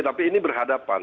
tapi ini berhadapan